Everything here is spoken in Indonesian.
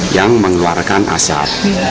yang mengeluarkan asap